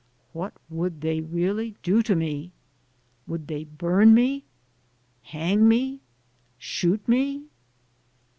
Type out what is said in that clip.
What would they really do to me? Would they burn me? Hang me? Shoot me?